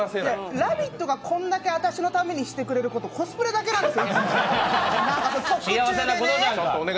「ラヴィット！」がこんだけ私のためにしてくれること、コスプレだけなんですよ！